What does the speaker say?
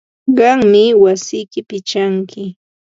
Qammi wasiyki pichanki.